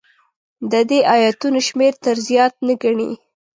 د دې ایتونو شمېر تر زیات نه ګڼي.